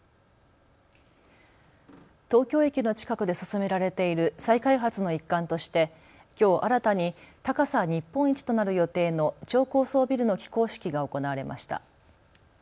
東京駅の近くで進められている再開発の一環としてきょう新たに高さ日本一となる予定の超高層ビルの起工式が行われました。